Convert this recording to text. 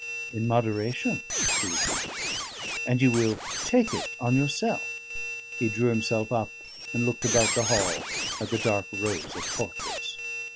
"In moderation?" he repeated. "And you will take it on yourself?" He drew himself up, and looked about the hall at the dark rows of portraits.